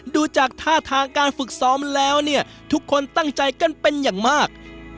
ดูจากท่าทางการฝึกซ้อมแล้วเนี่ยทุกคนตั้งใจกันเป็นอย่างมาก